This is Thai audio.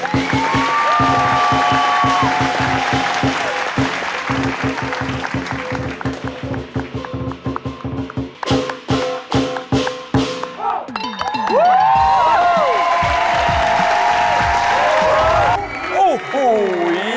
น่ารักมากเก็บดอกโบตัน